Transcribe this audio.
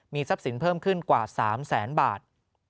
ทรัพย์สินเพิ่มขึ้นกว่า๓แสนบาท